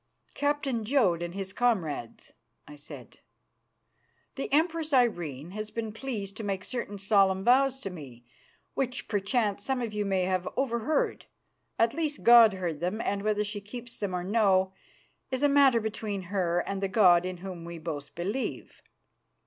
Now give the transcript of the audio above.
"Captain Jodd and his comrades," I said, "the Empress Irene has been pleased to make certain solemn vows to me which perchance some of you may have overheard. At least, God heard them, and whether she keeps them or no is a matter between her and the God in Whom we both believe.